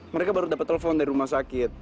mereka baru dapat telepon dari rumah sakit